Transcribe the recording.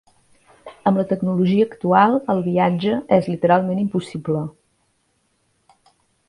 Amb la tecnologia actual el viatge és literalment impossible.